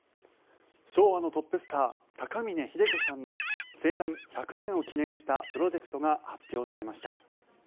昭和のトップスター高峰秀子さんの生誕１００年を記念したプロジェクトが発表されました。